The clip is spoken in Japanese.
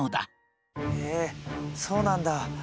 へえそうなんだ。